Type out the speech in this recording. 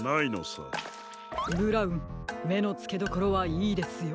ブラウンめのつけどころはいいですよ。